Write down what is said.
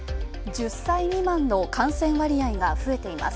１０歳未満の感染割合が増えています。